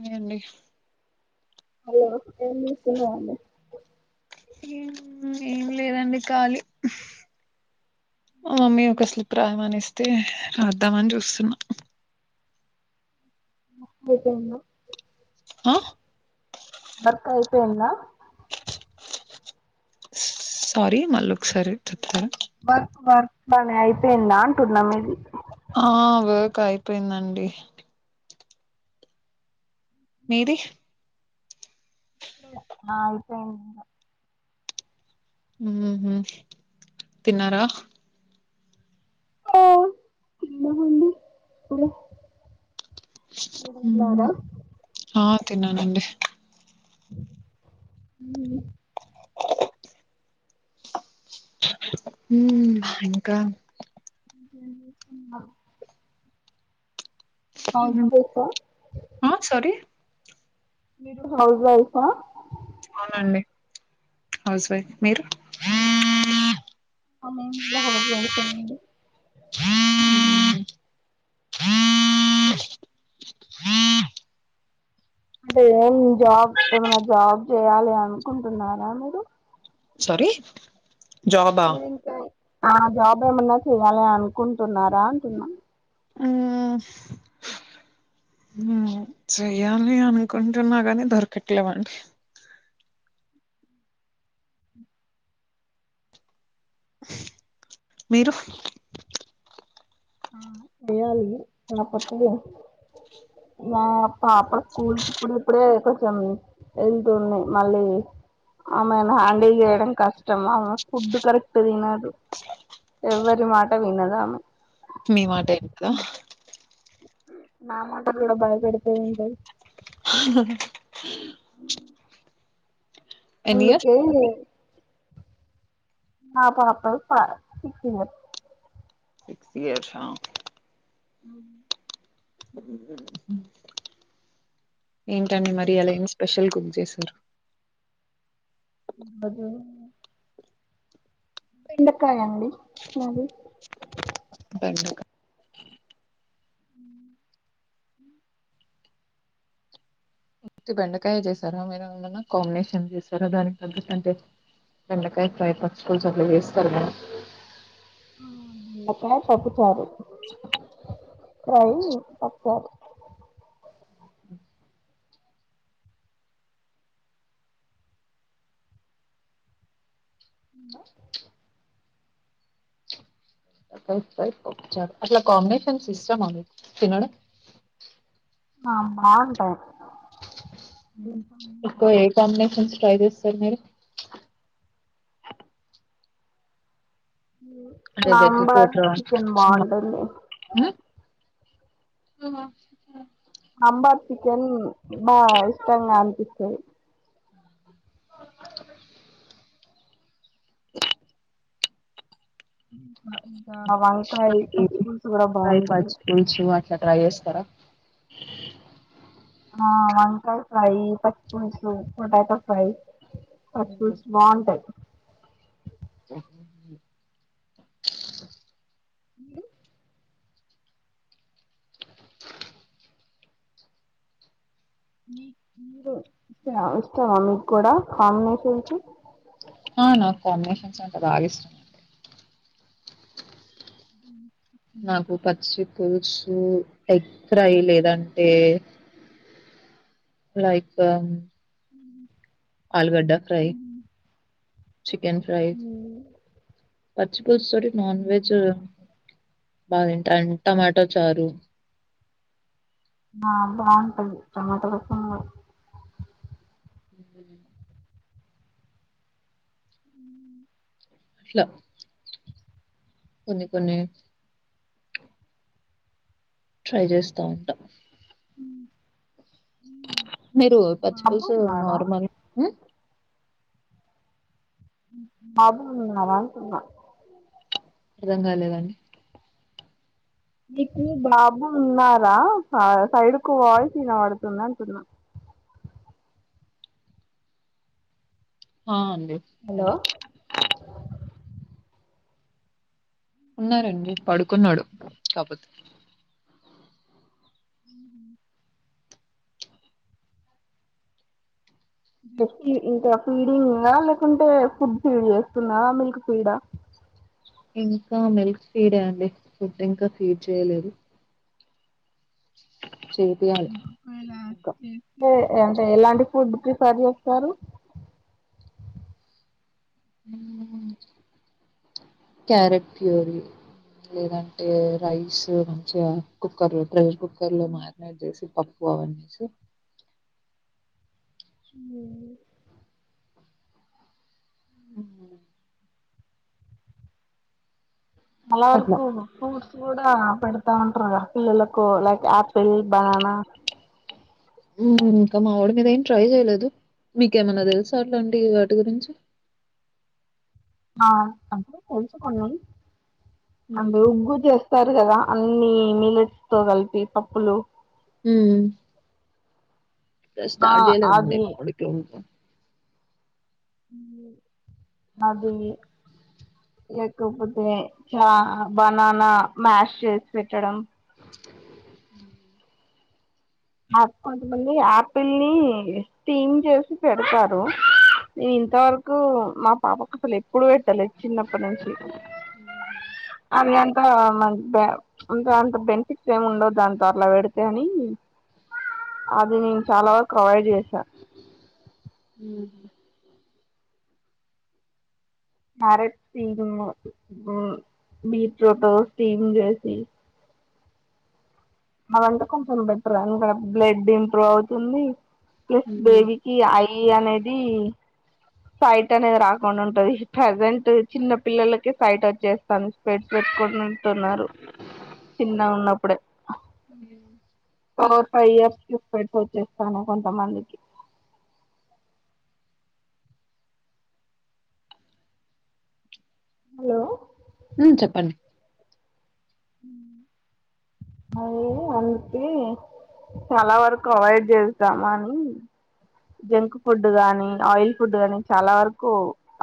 నేండి hello ఏంచేస్తున్నారండి ఏం లేదండి ఖాలీ మా మమ్మీ ఒక స్లిప్ రాయమనిస్తే రాద్దామని చూస్తున్నా [unintelligible] అయిపేయిందా ఆ దర్కా అయిపెయిందా సారీ మల్లొ ఒకసారి చొప్తారా బర్క్ బర్క్ అనే అయిపోయిందా అంటున్నా మీది ఆ వేక్ అయిపోయిందండి. మీది ఆగి పెయింది ఇంగా హ్మ్మ్ తిన్నారా తిన్నామండి ఇప్పుడే మీరు ఆ తిన్నానండి హ్మ్ హ్మ్ఇంకా ఏం జేస్తున్నారు హౌస్జ్ వైఫ్ ఆ ఆ సారీ మీరు హౌస్ వైఫా అవునండి హౌస్ వైఫ్ మీరు [unintelligible] నండి అంటే ఏం జాబ్ ఏమైనా జాబ్ చేయాలి అనుకుంటున్నారా మీరు సారీ జాబా మీది ఇంకా ఆ జాబ్ అంటే ఏమన్నా చేయాలి అనుకుంటున్నారా అంటున్నా హ్మ్ చెయ్యాలి అనుకుంటున్నా గాని దొరకట్లేవండి మీరు వేయాలి ఇంకా తప్పదు కదా మా పాప స్కూల్కి ఇప్పుడు ఇప్పుడే కొంచెం వెళ్తుంది మళ్ళీ ఆమెను హ్యాండిల్ చేయడం కష్టం ఆమె ఫుడ్ కరెక్ట్ తినదు ఎవ్వరి మాట వినదామె మీ మాటే ఇంటదా నా మాట కూడా భయపెడితే ఇంటది ఎన్ని ఇయర్స్ అందుకే ఆ పాప-పా సిక్స్ ఇయర్స్ సిక్స్ ఇయర్సా హ్మ్ ఏంటండి మరి ఇయ్యాల ఏం స్పెషల్ కుక్ చేశారు ఈరోజు బెండకాయ అండి మాది బెండకా హ్మ్ ఉత్తి బెండకాయే చేసారా మీరు ఏమన్నా కాంబినేషన్ చేసారా దానికి తగట్టు అంటే బెండకాయ ఫ్రై పచ్చిపులుసు అట్ల చేస్తరు కదా బెండకాయ పప్పుచారు ఫ్రై పప్పు చారు హలో బెండకాయి ఫ్రై పప్పు చారు అట్లా కాంబినేషన్స్ ఇష్టమా మీకు తినడం ఆ బాగుంటాయి కదా ఎక్కువ ఏ కాంబినేషన్స్ ట్రై చేస్తారు మీరు అంటే వెజ్ సాంబార్ తోటా చికెన్ బాగుంటుంది ఉమ్ సాంబార్ చికెన్ బా ఇష్టంగా అనిపిస్తది ఉమ్ ఇంకా వంకాయి ఈ పచ్చిపులుసు కూడా ఫ్రై బాగుంటాయి పచ్చి పులుసు అట్లా ట్రై చేస్తారా ఆ వంకాయ ఫ్రై పచ్చిపులుసు పొటాటో ఫ్రై పచ్చిపుల్స్ బాంటాయి ఉమ్ రు ఇ ఇస్తావా మీకు కూడా కం న చెతు ఆ నాకు కాంబినేషన్స్ అంట బాగా ఇస్తుందిం నాకు పచ్చి ల్స్ ఎగ్ ఫ్రై లేదంటే లైక్ ఆలగడా ఫ్రై చికెన్ ఫ్రౌ పచ్చిపుడ నన్ వెెజ బాగాంట అంట టమాటో చారు ఆ బాగుంటాంది టమాటకు అట్లా కొన్ని కొన్ని ట్రై చేస్తా ఉంటా మీరు పచ్చి బాబు పులుసు ఉన్నాడా నార్మల్ అబ అ సన్న అథం కాలేదని నీకు బాబు ఉన్నారా ఆ సైడ్కు వాయి తినబడుతుంది అంటున్నా అవును హలో ఉన్నారండి పడు కున్నాోడు కాపోతే హ్మ్ ఇంకా ఫీడింగ్ ఉందా లేకుంటే ఫుడ్ ఫీడ్ చేస్తున్నా మిల్క్ ఫీడా ఇంకా మిల్క్ ఫీడే అండి ఫుడ్ ఇంకా ఫీడ్ చేయలేదు చేపియాలి ఇంకా. లే అంటే ఎలాంటి ఫుడ్ ప్రిఫర్ చేస్తారు ఉమ్ క్యారెట్ ప్యూరి లేదంటే రైస్ మంచిగా కుక్కర్ [unintelligible] కుక్కర్ లో మారినట్ చేసి ప పోనీ [unintelligible] హ్మ్ చాలా అట్లా వరకు ఫ్రూట్స్ కూడా పెడతా ఉంటారు పిల్లలకు లైక్ ఆపిిల్ బనానా ఇంకా మా ఊడి మీద ఏం ట్రై చేయలేదు మీకేమన్నా తెలుసలాంటడి వాటి గురించి అ పోల్స [unintelligible] అంటే మ్మ్ ఉగ్గు చేస్తారు కదా అన్నిీ మిల్లెట్స్ తో కలిపి పప్పులు హ్మ్ ఆ స్టార్ట్ చేయలేదండి అది కోడుకి ఇంకా ఉమ్ అది లేకపోతే క్యా బనానా మ్యాష్ చేసి పెట్టడం ఉమ్ కొంతమంది ఆపిల్ ని స్టీమ్ చేసి పెడతారు నేను ఇంతవరకు మా పాపకు అసలు ఎప్పుడు పెట్టాలి చిన్నప్ ప్ప మంచి [unintelligible] అంత మన అ అంత బెనిఫిట్స్ ఏమి ఉండవు దానితో అట్లా పెడితే అని అది నేను చాలా వరకు అవాయిడ్ చేస్తా హ్మ్ మారే స్టీ బీట్రూట్ స్టీమ్ చేసి అదంతా కొంచెం బెటర్ ఇంకా బ్లడ్ ఇంప్రూవ్ అవుతుంది ప్లస్ మ్మ్ బేబీకి అయి అనేది సైట్ అనేది రాకుండా ఉంటది ప్రజెంట్ చిన్న పిల్లలకే సైట్ వచ్చేస్తా అంది స్పెట్స్ పెట్టుకు న్నారు చిన్నగా ఉన్నప్పుడే ఫైవ్ ఇయర్స్ కె స్పెక్ట్స్ వచ్చేస్తానాయి కొంతమందికి హలో ఉ చెప్పండి అ అంతే చాలా వరకు అవాయిడ్ చేస్తాం అని జంక్ ఫుడ్ గానీ ఆయిల్ ఫుడ్ గాని చాలా వరకు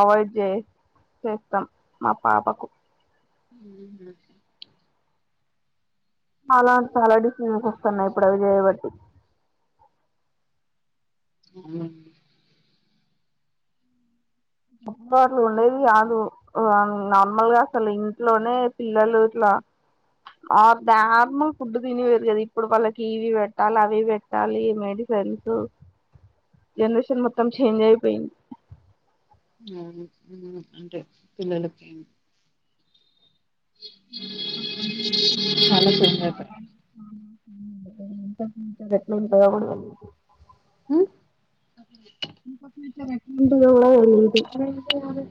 అవాయిడ్ చే చేస్తాం మా పాపకు మ్మ్. చాలా చాలా డిసీజెస్ వస్తున్నాయి ఇప్పుడు ఆవి జయ బట్టి అవు అమ వాట్లు ఉండేది కాదు నార్మల్గా అసలు ఇంట్లోనే పిల్లలు ఇట్లా న నార్మల్ ఫుడ్ తినేవరు కదా ఇప్పుడు వాళ్ళకి ఇవి పెట్టాలి అవి పెట్టాలి మెడిసన్స్ జనరేషన్ మొత్తం చేంజ్ అయిపోయింది అవును ఉమ్ అంటే పిల్లలకే చాలా చేంజ్ అయిపోయాయి [inaudible] [inaudible] ఉ పాపం విర ఎట్లవుంటరో అవి ఎందుకు వెయ్యాలి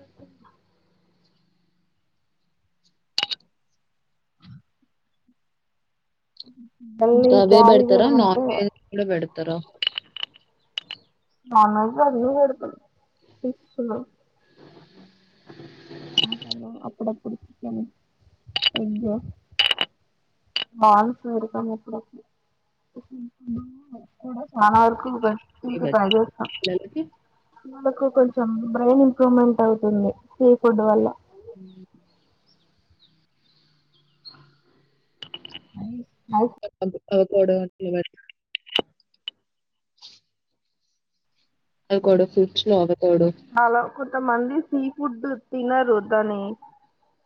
మళ్ళీ తవే క్యారీ బెడతారా చేయడం అంటే నాన్ వెజ్ కూడా బెడ తర నన్ వెజ్ అది వెడుతరు ఫిష్ అసలో అప్పుడప్పుడు చికెన్ ఎగ్ వాల్లు ప్లోరు అప్పుడప్పుడు [unintelligible] మన వరకు [unintelligible] ఇవి పై పెడతారా చేస్తా పిల్లలకి కొంచెం బ్రెయిన్ ఇంప్రూవ్మెంట్ అవుతుంది. సీ ఫుడ్ వల్ల ఉ ఐ అవు పకోడ అటే మరి అవి కూడ సుక్షలోవదు మాల కొడు అంతమంది సీ ఫుడ్ తినరు. దాని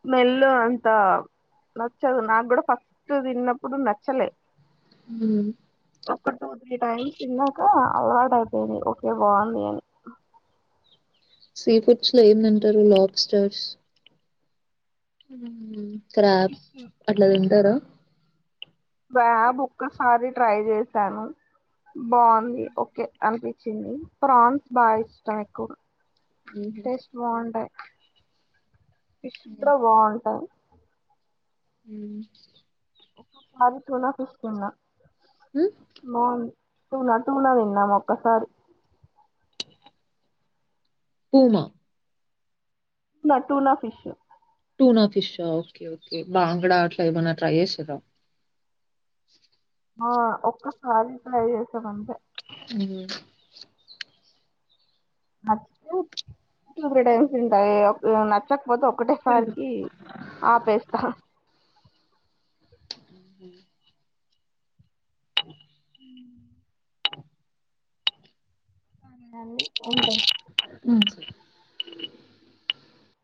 స్మెల్ అంత నచ్చదు. నాకు కూడా ఫస్ట్ తిన్నప్పుడు నచ్చలే. ఒక టూ త్రీ టైమ్స్ తిన్నాక అలవాటైపోయింది ఓకే బాగుంది అని సీ ఫుడ్స్ లో ఏం తింటారు లాబ్స్టార్స్ ఉహూ క్రాబ్ ఫిష్ అట్ల ఫిష్ తింటారా క్రాబ్ ఒక్కసారి ట్రై చేశాను. బాంది ఓకే అనిపించింది. ప్రాన్స్ బాగా ఇష్టం ఎక్కువ. టేస్ట్ బాగుంటాయ్ ఫిష్ బ్రౌ బాగుంటది ఊ ఒక్కపారి టూనా ఫిష్ తిన్నా బాగుం టూనా టూనా తిన్నం ఒక్కసారి tuna tuna tuna fish tuna fish okay okay బాంగ్డా అట్లా ఏమన్నా ట్రై చేసిరా ఆ ఒక్క సారి ట్రై చేసామంతె ఊ నచ్చితే టూ త్రీ టైమ్స్ తింట ఏ నచ్చకపోతే ఒకటే సారికి ఆపేస్తా ఉహు [inaudible] తినాలి ఉంటె [inaudible]